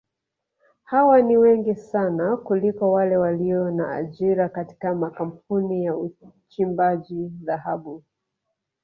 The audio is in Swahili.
Hawa ni wengi sana kuliko wale walio na ajira katika makampuni ya uchimbaji dhahabu